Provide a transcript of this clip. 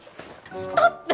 ストップ！